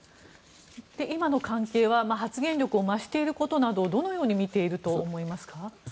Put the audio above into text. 今の関係は発言力を増していることなどをどのように見ていると思いますか？